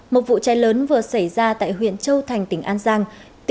một vụ cháy lớn vừa xảy ra tại huyện châu thành tỉnh an giang